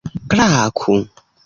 klaku